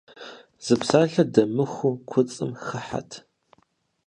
Зы псалъэ дэмыхуу куцӀым хыхьэт.